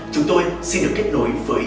chúng tôi xin được kết nối với